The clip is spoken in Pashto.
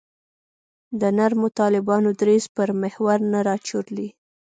د نرمو طالبانو دریځ پر محور نه راچورلي.